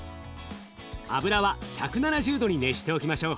油は１７０度に熱しておきましょう。